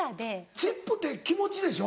チップって気持ちでしょ？